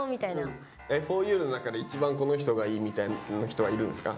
ふぉゆの中で一番この人がいいみたいな人はいるんですか？